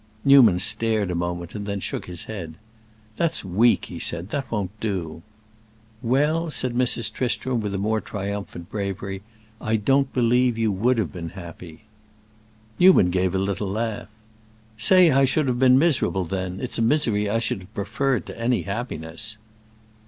Newman stared a moment, and then shook his head. "That's weak," he said; "that won't do." "Well," said Mrs. Tristram with a more triumphant bravery, "I don't believe you would have been happy." Newman gave a little laugh. "Say I should have been miserable, then; it's a misery I should have preferred to any happiness."